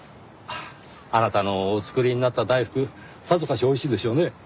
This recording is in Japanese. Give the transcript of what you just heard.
あなたのお作りになった大福さぞかしおいしいでしょうね。